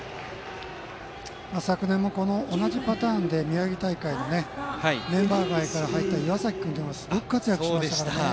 昨年も同じパターンで宮城大会のメンバー外から入った選手がすごく活躍しましたからね。